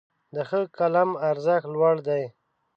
د ښه قلم ارزښت لوړ دی.